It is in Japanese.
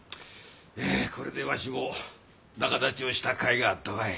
これでわしも仲立ちをしたかいがあったわい。